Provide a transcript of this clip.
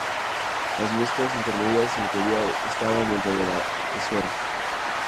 Las mezclas intermedias en teoría estaban dentro de la esfera.